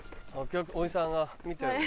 おじさんが見てるわ。